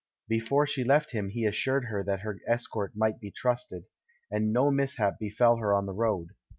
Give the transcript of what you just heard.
Before she left hirri he assured her that her escort might be trusted; and no mishap befell her on the road.